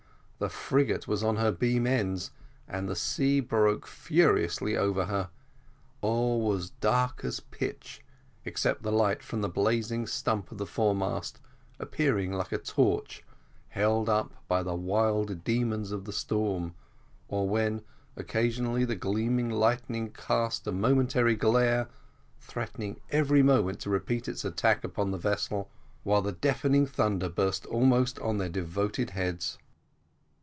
The frigate was on her beam ends, and the sea broke furiously over her; all was dark as pitch, except the light from the blazing stump of the foremast, appearing like a torch, held up by the wild demons of the storm, or when occasionally the gleaming lightning cast a momentary glare, threatening every moment to repeat its attack upon the vessel, while the deafening thunder burst almost on their devoted heads.